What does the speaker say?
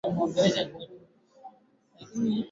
Serikali ya Kenya iko na tatizo la pesa.